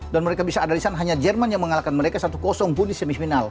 dan mereka bisa ada riset hanya jerman yang mengalahkan mereka satu pun di semifinal